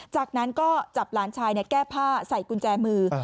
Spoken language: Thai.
จากนั้นก็จับหลานชายแก้ผ้าใส่กุญแจมือ